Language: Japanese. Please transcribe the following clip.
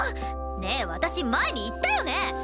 ねえ私前に言ったよね？